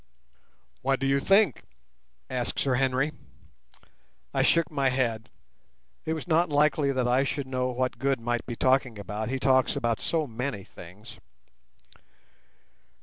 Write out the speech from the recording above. "What do you think?" asked Sir Henry. I shook my head. It was not likely that I should know what Good might be talking about. He talks about so many things.